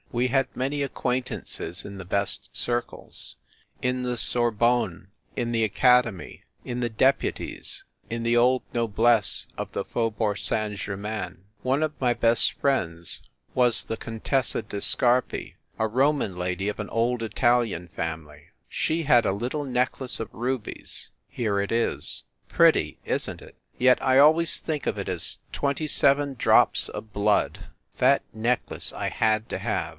We had many acquaintances in the best circles, in the Sorbonne, in the Academy, in the Deputies, in the old noblesse of the Faubourg Saint Germain. One of my best friends was the Contessa da Scarpi, a Roman lady of an old Italian family. She had a little necklace of rubies. ... Here it is. Pretty, isn t it? Yet I always think of it as twenty seven drops of blood. That necklace I had to have!